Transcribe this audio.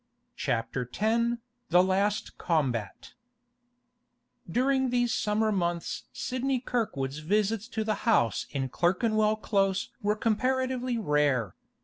CHAPTER X THE LAST COMBAT During these summer months Sidney Kirkwood's visits to the house in Clerkenwell Close were comparatively rare.